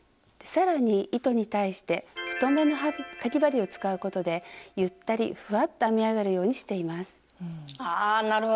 さらに糸に対して太めのかぎ針を使うことでゆったりふわっと編み上がるようにしています。